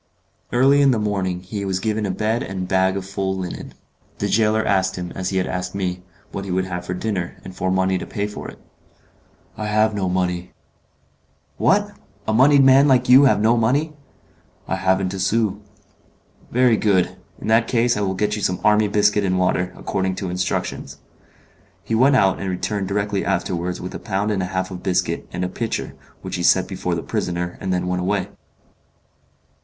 Early in the morning he was given a bed and a bag full of linen. The gaoler asked him, as he had asked me, what he would have for dinner, and for money to pay for it. "I have no money." "What! a moneyed man like you have no money?" "I haven't a sou." "Very good; in that case I will get you some army biscuit and water, according to instructions." He went out, and returned directly afterwards with a pound and a half of biscuit, and a pitcher, which he set before the prisoner, and then went away.